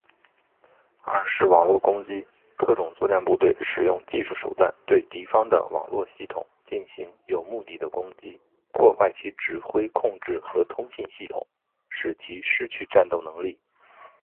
二是网络攻击。特种作战部队使用技术手段对敌方的网络系统进行有目的的攻击，破坏其指挥、控制和通信系统，使其失去战斗能力。